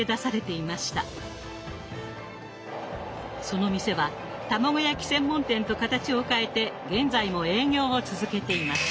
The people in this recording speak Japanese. その店は卵焼き専門店と形を変えて現在も営業を続けています。